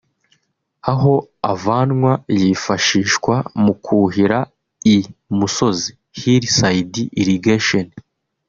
aho avanwa yifashishwa mu kuhira i musozi (Hillside Irrigation)